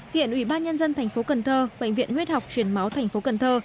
hiện ủy ban nhân dân thành phố cần thơ bệnh viện huyết học truyền máu thành phố cần thơ